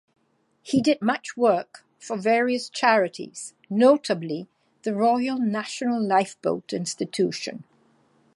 He did much work for various charities, notably the Royal National Lifeboat Institution.